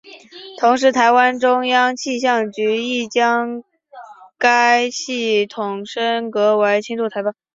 同时台湾中央气象局亦将该系统升格为轻度台风。